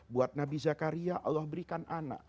buat nabi zakaria allah berikan anak